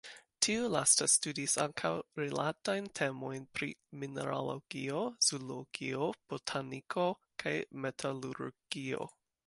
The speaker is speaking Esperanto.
Tiu lasta studis ankaŭ rilatajn temojn pri mineralogio, zoologio, botaniko, kaj metalurgio.